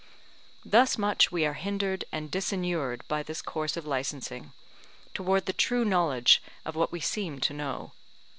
Thus much we are hindered and disinured by this course of licensing, toward the true knowledge of what we seem to know.